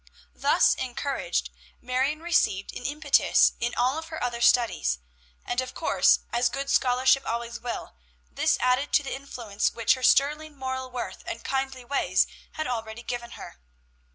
Thus encouraged, Marion received an impetus in all her other studies; and, of course, as good scholarship always will, this added to the influence which her sterling moral worth and kindly ways had already given her.